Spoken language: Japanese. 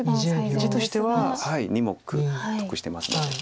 地としては２目得してますので。